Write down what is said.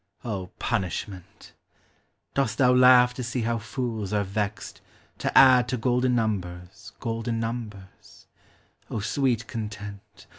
() punishment ! Dost thou laugh to Bee howfools ted To add to golden numbers, golden numbei sweet content!